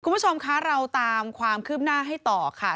คุณผู้ชมคะเราตามความคืบหน้าให้ต่อค่ะ